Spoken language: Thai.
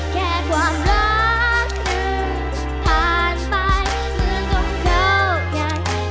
แค่ความรักหนึ่งผ่านไปเหมือนต้องเข้างาย